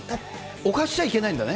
おかしちゃいけないんだね。